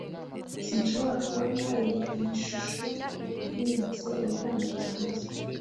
Sinshobora kubona iyi shusho ntibutse ubwana bwanjye.